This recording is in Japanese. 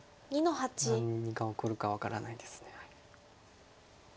何が起こるか分からないです。